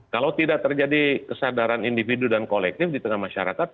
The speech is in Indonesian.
kalau tidak terjadi kesadaran individu dan kolektif di tengah masyarakat